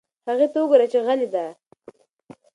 هغې ته وگوره چې غلې ده.